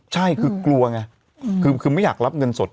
ใช่คือกลัวไงคือไม่อยากรับเงินสด